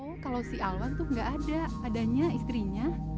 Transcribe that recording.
oh kalau si alwan tuh gak ada adanya istrinya